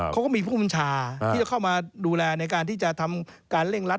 เขาก็มีผู้บัญชาการที่จะเข้ามาดูแลในการที่จะทำการเร่งรัด